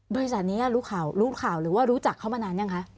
บริษัทนี้รู้ข่าวรู้ข่าวหรือว่ารู้จักเขามานานยังคะ